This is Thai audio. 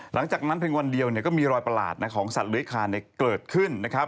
หลังจากนั้นเพียงวันเดียวก็มีรอยประหลาดของสัตว์เลื้อยคานเกิดขึ้นนะครับ